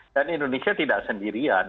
dan indonesia tidak sendirian